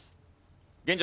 現状